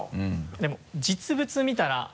でも実物見たら。